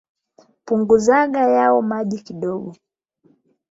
Punguzaga yao maji kidogo.